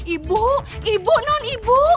ibu ibu non ibu